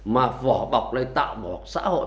mà vỏ bọc này tạo vỏ bọc xã hội